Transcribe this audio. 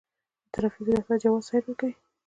د ترافیکو ریاست جواز سیر ورکوي